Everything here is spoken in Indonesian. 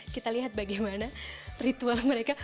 kita lihat bagaimana ritual mereka